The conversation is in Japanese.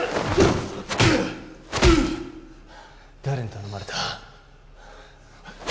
誰に頼まれた？